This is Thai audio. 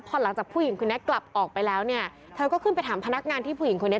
พอหลังจากผู้หญิงคนนี้กลับออกไปแล้วเนี่ยเธอก็ขึ้นไปถามพนักงานที่ผู้หญิงคนนี้